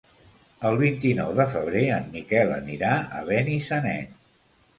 El vint-i-nou de febrer en Miquel anirà a Benissanet.